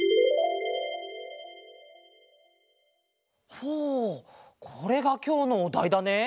ほうこれがきょうのおだいだね。